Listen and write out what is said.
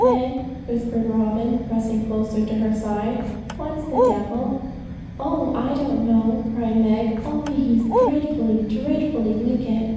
'Meg,' whispered Robin, pressing closer to her side, 'what's the devil?' 'Oh, I don't know,' cried Meg; 'only he's dreadfully, dreadfully wicked.'